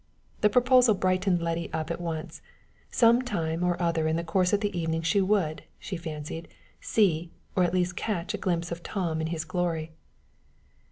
The proposal brightened Letty up at once: some time or other in the course of the evening she would, she fancied, see, or at least catch a glimpse of Tom in his glory!